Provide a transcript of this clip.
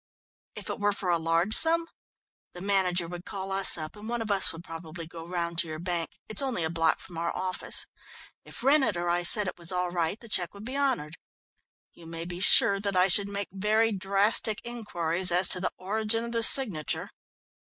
"If it were for a large sum? The manager would call us up and one of us would probably go round to your bank. It is only a block from our office. If Rennett or I said it was all right the cheque would be honoured. You may be sure that I should make very drastic inquiries as to the origin of the signature."